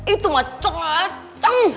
itu mah cocok